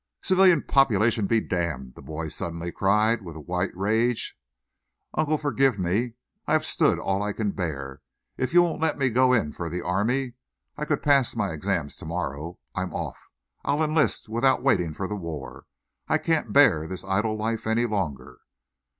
"Civilian population be d d!" the boy suddenly cried, white with rage. "Uncle, forgive me, I have stood all I can bear. If you won't let me go in for the army I could pass my exams to morrow I'm off. I'll enlist without waiting for the war. I can't bear this idle life any longer."